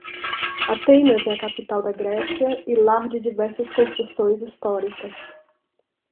Atenas é a capital da Grécia e lar de diversas construções históricas